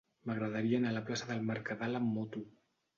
M'agradaria anar a la plaça del Mercadal amb moto.